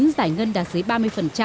giải ngân đạt dưới ba mươi